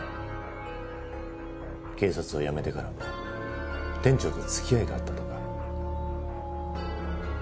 警察を辞めてからも店長と付き合いがあったとか。